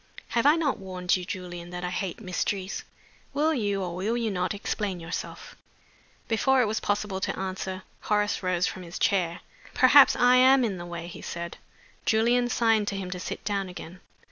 "Have I not warned you, Julian, that I hate mysteries? Will you, or will you not, explain yourself?" Before it was possible to answer, Horace rose from his chair. "Perhaps I am in the way?" he said. Julian signed to him to sit down again.